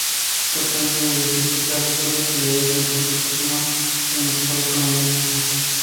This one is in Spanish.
Tratando de diversificar sus actividades, la empresa incursionó en el mercado automovilístico.